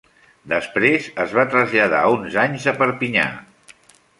Després es va traslladar uns anys a Perpinyà.